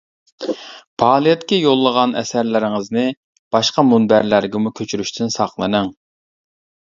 پائالىيەتكە يولىغان ئەسەرلىرىڭىزنى باشقا مۇنبەرلەرگىمۇ كۆچۈرۈشتىن ساقلىنىڭ.